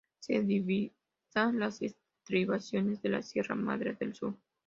Se divisan las estribaciones de la Sierra Madre del Sur.